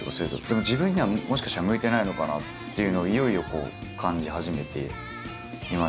でも自分にはもしかしたら向いてないのかなっていうのをいよいよ感じ始めていまして。